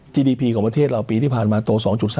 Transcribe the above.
ดีพีของประเทศเราปีที่ผ่านมาโต๒๓